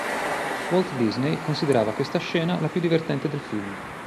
Walt Disney considerava questa scena la più divertente del film.